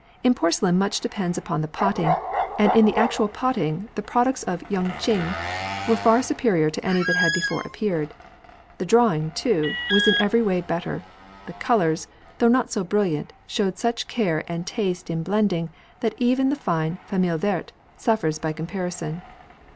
In porcelain much depends upon the potting, and in the actual potting the products of Yung Ching were far superior to any that had before appeared. The drawing, too, was in every way better, the colours, though not so brilliant, showed such care and taste in blending that even the fine "famille verte" suffers by comparison.